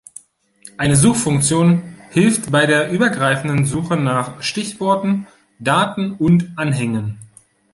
Eine Suchfunktion hilft bei der übergreifenden Suche nach Stichworten, Daten und Anhängen.